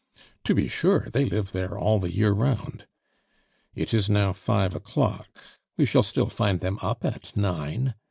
"To be sure; they live there all the year round." "It is now five o'clock. We shall still find them up at nine."